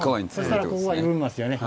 そしたらここが緩みますよね。